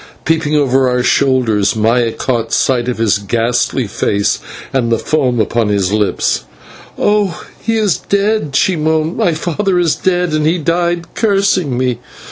Peeping over our shoulders, Maya caught sight of his ghastly face and the foam upon his lips. "Oh, he is dead," she moaned; "my father is dead, and he died cursing me."